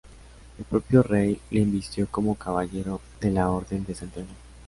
El propio rey le invistió como caballero de la Orden de Santiago.